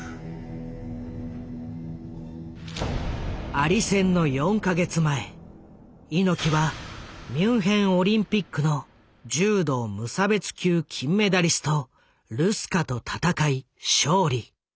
アリ戦の４か月前猪木はミュンヘンオリンピックの柔道無差別級金メダリストルスカと戦い勝利。